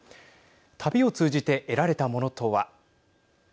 旅を通じて得られたものとは。